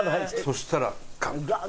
そしたらガンッ！